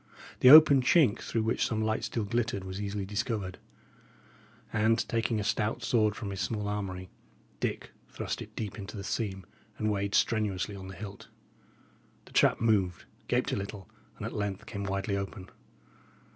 The open chink through which some light still glittered was easily discovered, and, taking a stout sword from his small armoury, Dick thrust it deep into the seam, and weighed strenuously on the hilt. The trap moved, gaped a little, and at length came widely open.